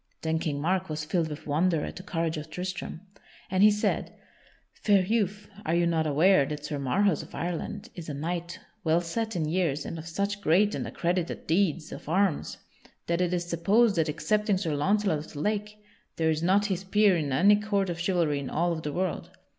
Then King Mark was filled with wonder at the courage of Tristram, and he said: "Fair youth, are you not aware that Sir Marhaus of Ireland is a knight well set in years and of such great and accredited deeds of arms that it is supposed that, excepting Sir Launcelot of the Lake, there is not his peer in any court of chivalry in all of the world?